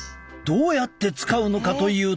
どうやって使うのかというと。